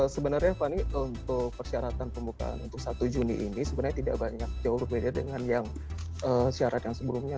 sebenarnya fani untuk persyaratan pembukaan untuk satu juni ini sebenarnya tidak banyak jauh berbeda dengan yang syarat yang sebelumnya